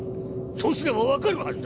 そうすれば分かるはずだ。